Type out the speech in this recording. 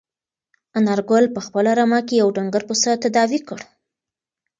انارګل په خپله رمه کې یو ډنګر پسه تداوي کړ.